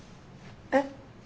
えっ？